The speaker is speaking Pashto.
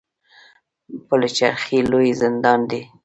پل چرخي لوی زندان دی